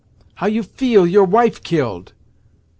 How you feel, your wife killed?